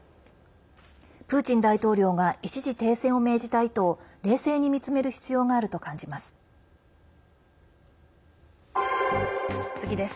プーチン大統領が一時停戦を命じた意図を冷静に見つめる必要があると感じます。